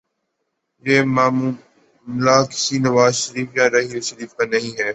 یہ معاملہ کسی نواز شریف یا راحیل شریف کا نہیں ہے۔